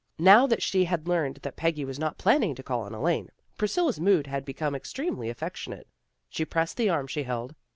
Now that she had learned that Peggy was not planning to call upon Elaine, Priscilla's mood had become ex tremely affectionate. She pressed the arm she held.